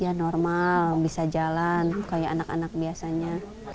ya normal bisa jalan kayak anak anak biasanya